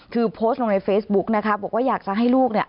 คือโพสต์ลงในเฟซบุ๊กนะคะบอกว่าอยากจะให้ลูกเนี่ย